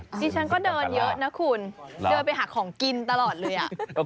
ดิฉันก็เดินเยอะนะคุณเดินไปหาของกินตลอดเลย